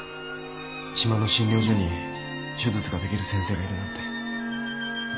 島の診療所に手術ができる先生がいるなんて。